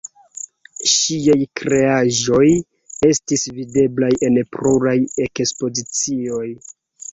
Ŝiaj kreaĵoj estis videblaj en pluraj ekspozicioj.